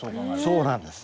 そうなんです。